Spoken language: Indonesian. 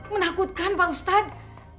menakutkan pak ustadz